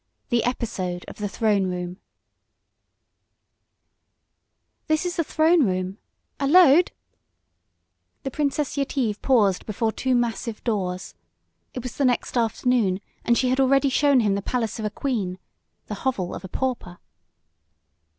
THE EPISODE OF THE THRONE ROOM "This is the throne room. Allode!" The Princess Yetive paused before two massive doors. It was the next afternoon, and she had already shown him the palace of a queen the hovel of a pauper!